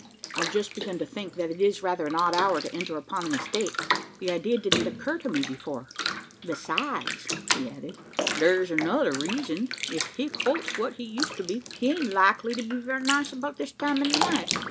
"I've just begun to think, that it is rather an odd hour to enter upon an estate. The idea didn't occur to me before." "Besides," added he, "thar's another reezun. If Hick Holt's what he used to be, he ain't likely to be very nice about this time o' night.